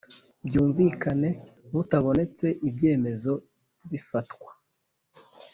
Bwumvikane butabonetse ibyemezo bifatwa